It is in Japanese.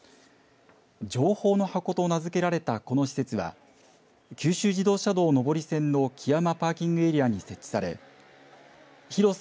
情報の箱と名付けられたこの施設は九州自動車道上り線の基山パーキングエリアに設置され広さ